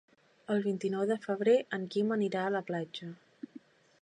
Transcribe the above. El vint-i-nou de febrer en Quim anirà a la platja.